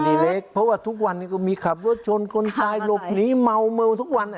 เล็กเพราะว่าทุกวันนี้ก็มีขับรถชนคนตายหลบหนีเมาเมาทุกวัน